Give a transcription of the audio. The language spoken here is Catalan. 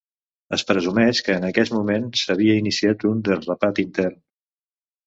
Es presumeix que en aquell moment s'havia iniciat un desrapat intern.